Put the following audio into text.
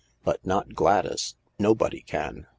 But not Gladys, Nobody can.